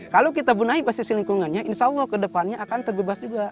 kalau kita bunuhi basis lingkungannya insya allah ke depannya akan terbebas juga